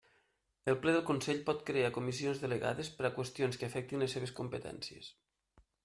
El Ple del Consell pot crear comissions delegades per a qüestions que afectin les seves competències.